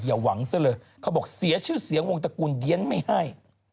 หวังซะเลยเขาบอกเสียชื่อเสียงวงตระกูลเดี๋ยวนไม่ให้